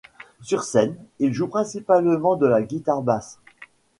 Sur scène, il joue principalement de la guitare basse.